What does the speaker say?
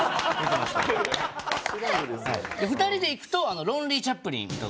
２人で行くと『ロンリー・チャップリン』歌うんすよ。